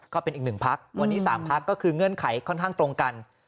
ก็เป็นอีกหนึ่งพัก